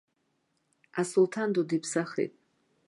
Асулҭан ду диԥсахит.